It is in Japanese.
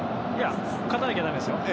勝たなきゃだめですよ。